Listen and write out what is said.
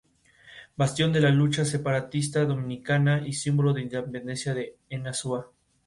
Una campeona de natación se ve envuelta en una intriga internacional.